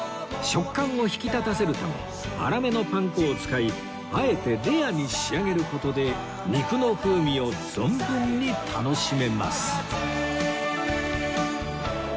食感を引き立たせるため粗めのパン粉を使いあえてレアに仕上げる事で肉の風味を存分に楽しめます